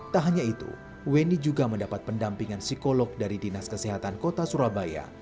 tak hanya itu weni juga mendapat pendampingan psikolog dari dinas kesehatan kota surabaya